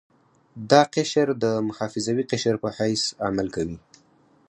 دا قشر د محافظوي قشر په حیث عمل کوي.